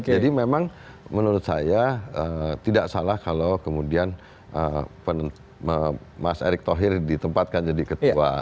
jadi memang menurut saya tidak salah kalau kemudian mas erik thohir ditempatkan jadi ketua